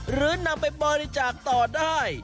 หรือนำไปบริจาคต่อได้